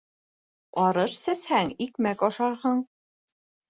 Арыш сәсһәң, икмәк ашарһың.